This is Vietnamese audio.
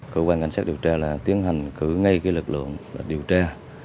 cơ quan cảnh sát điều tra là tiến hành cử ngay lực lượng điều tra